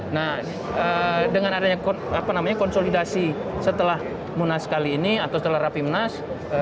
nah dengan adanya konsolidasi setelah munas kali ini atau setelah rapimnas